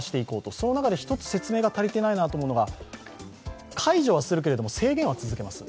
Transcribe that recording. その中で１つ説明が足りていないなと思うのは、解除はするけれども制限は続けますと。